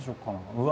うわ！